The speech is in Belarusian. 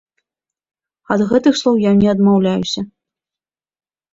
Ад гэтых слоў я не адмаўляюся.